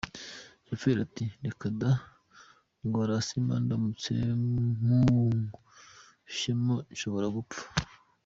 Shoferi ati “Reka daaa ! Ndwara asima ndamutse mpushyemo nshobora gupfa…”.